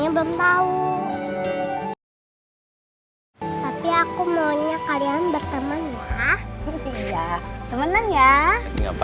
ya udah kalau gitu siap siap